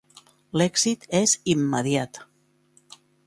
L'èxit és immediat.